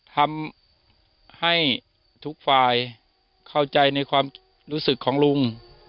ทำให้ทุกฝ่ายเข้าใจในความรู้สึกของลุง